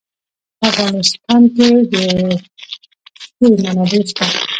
په افغانستان کې د ښتې منابع شته.